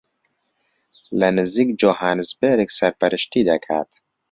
لە نزیک جۆهانسبێرگ سەرپەرشتی دەکات